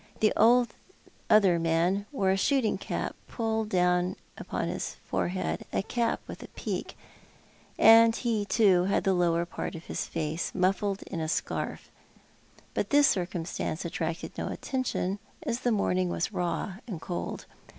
The other man wore a shooting cap, pulled down upon his forehead —a cap with a peak— and he, too, had the lower part of his foce muffled in a scarf, but this circumstance attracted no atten tion, as the morning was raw and cold.